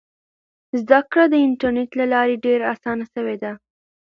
زده کړه د انټرنیټ له لارې ډېره اسانه سوې ده.